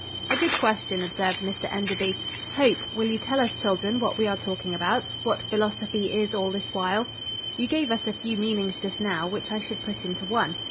"A good question," observed Mr Enderby. "Hope, will you tell us children what we are talking about, what philosophy is all this while?" "You gave us a few meanings just now, which I should put into one.